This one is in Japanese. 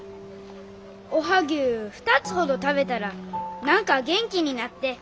おはぎゅう２つほど食べたら何か元気になって。